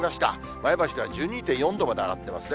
前橋が１２．４度まで上がってますね。